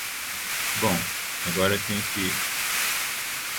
Bom, agora tenho que ir.